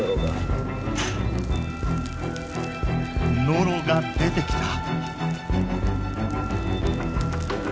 ノロが出てきた。